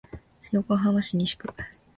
横浜市西区